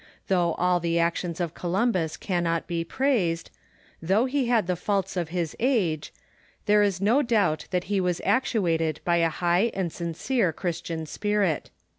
Though all the actions of Columbus cannot be praised, though he had the faults of his age, there is no doubt that he was actuated by a high and sincere Christian spirit.